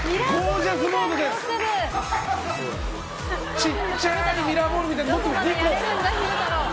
ちっちゃいミラーボールみたいなの持ってきた。